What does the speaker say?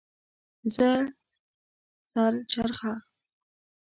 زه سر چرخه